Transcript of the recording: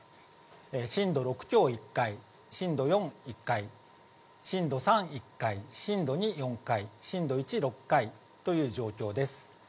震度６強１回、震度４、１回、震度３、１回、震度２、４回、震度１、６回という状況です。